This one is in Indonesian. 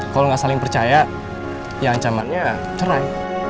kalau nggak saling percaya ya ancamannya cerai